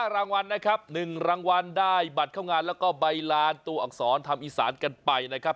รางวัลนะครับ๑รางวัลได้บัตรเข้างานแล้วก็ใบลานตัวอักษรทำอีสานกันไปนะครับ